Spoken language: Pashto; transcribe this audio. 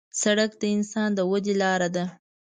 سړک د اقتصاد د ودې لاره ده.